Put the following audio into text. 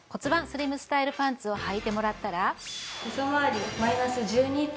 スリムスタイルパンツをはいてもらったらえっ